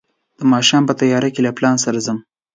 د ماښام په تياره کې له پلان سره سم.